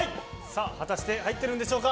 果たして入ってるんでしょうか。